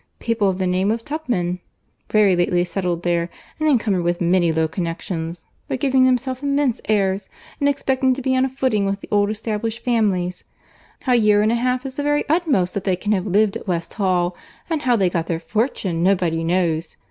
People of the name of Tupman, very lately settled there, and encumbered with many low connexions, but giving themselves immense airs, and expecting to be on a footing with the old established families. A year and a half is the very utmost that they can have lived at West Hall; and how they got their fortune nobody knows.